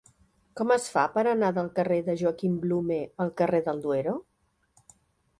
Com es fa per anar del carrer de Joaquim Blume al carrer del Duero?